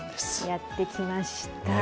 やってきました。